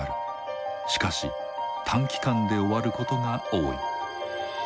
しかし短期間で終わることが多い。